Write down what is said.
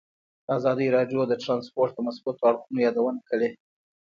ازادي راډیو د ترانسپورټ د مثبتو اړخونو یادونه کړې.